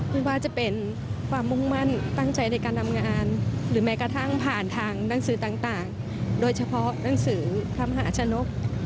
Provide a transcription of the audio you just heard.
ไม่ว่าจะเป็นความมุ่งมั่นตั้งใจในการทำงานหรือแม้กระทั่งผ่านทางหนังสือต่างโดยเฉพาะหนังสือพระมหาชนก